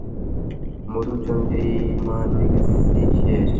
মধুচন্দ্রিমা দেখছি শেষ।